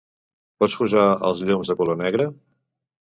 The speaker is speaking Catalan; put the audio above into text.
Pots posar els llums de color negre?